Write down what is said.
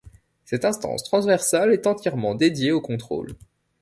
Cette instance transversale est entièrement dédiée aux contrôles.